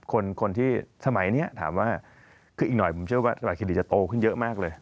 คนที่สมัยนี้ถามว่าคืออีกหน่อยผมเชื่อว่าตลาดเครดิตจะโตขึ้นเยอะมากเลย